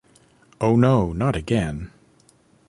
Oh no, not again!